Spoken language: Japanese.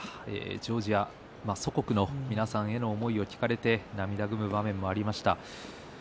ジョージア、祖国の皆さんへの思いを聞かれて涙ぐむ場面がありました。